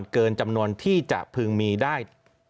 เกินจำนวนที่จะพึงมีได้